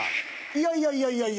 いやいやいやいや。